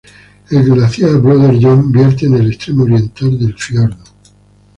El glaciar Brother John vierte en el extremo oriental del fiordo.